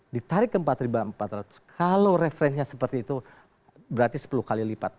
ditarik ke empat empat ratus kalau referensinya seperti itu berarti sepuluh kali lipat